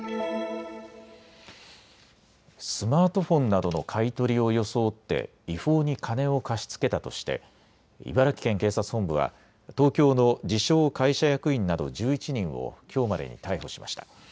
スマートフォンなどの買い取りを装って違法に金を貸し付けたとして茨城県警察本部は東京の自称・会社役員など１１人をきょうまでに逮捕しました。